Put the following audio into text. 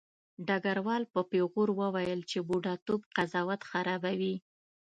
ډګروال په پیغور وویل چې بوډاتوب قضاوت خرابوي